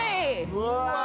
うわ！